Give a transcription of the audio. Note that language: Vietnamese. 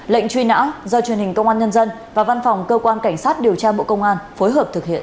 lệnh truy nã do truyền hình công an nhân dân và văn phòng cơ quan cảnh sát điều tra bộ công an phối hợp thực hiện